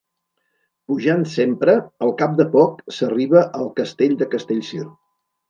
Pujant sempre, al cap de poc s'arriba al Castell de Castellcir.